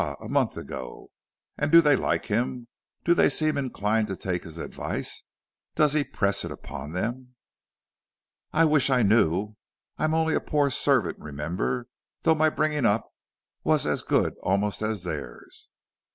a month ago! And do they like him? Do they seem inclined to take his advice? Does he press it upon them?" "I wish I knew. I am only a poor servant, remember, though my bringing up was as good almost as theirs.